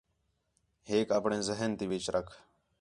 ہیک آپݨے ذہن تی وِچ رکھ